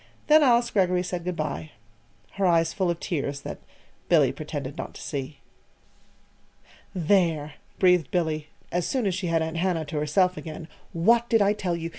Then Alice Greggory said good by her eyes full of tears that Billy pretended not to see. "There!" breathed Billy, as soon as she had Aunt Hannah to herself again. "What did I tell you?